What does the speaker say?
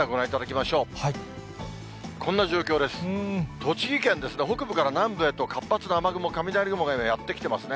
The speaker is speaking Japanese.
栃木県ですね、北部から南部へと活発な雨雲、雷雲がやって来てますね。